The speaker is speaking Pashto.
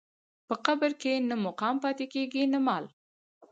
په قبر کې نه مقام پاتې کېږي نه مال.